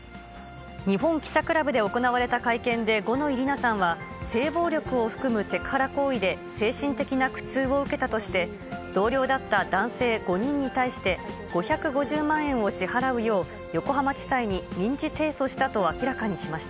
日本記者クラブで行われた会見で五ノ井里奈さんは、性暴力を含むセクハラ行為で、精神的な苦痛を受けたとして、同僚だった男性５人に対して、５５０万円を支払うよう横浜地裁に民事提訴したと明らかにしました。